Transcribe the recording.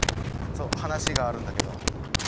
そう話があるんだけど。